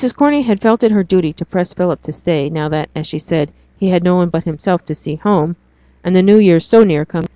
Corney had felt it her duty to press Philip to stay, now that, as she said, he had no one but himself to see home, and the new year so near coming in.